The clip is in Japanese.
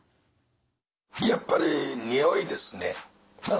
やっぱり匂いですね。